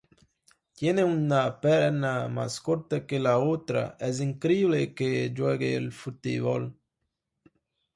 Tiene una pierna mas corta que la otra, es increíble que juegue al fútbol.